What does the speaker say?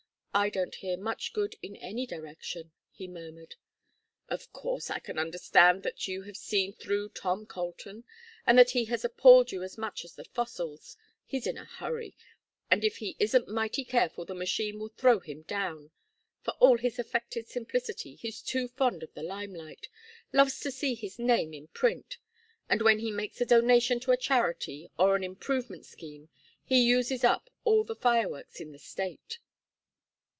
"I don't hear much good in any direction," he murmured. "Of course, I can understand that you have seen through Tom Colton, and that he has appalled you as much as the fossils. He's in a hurry, and if he isn't mighty careful the machine will throw him down. For all his affected simplicity he's too fond of the limelight: loves to see his name in print; and when he makes a donation to a charity or an improvement scheme he uses up all the fireworks in the State."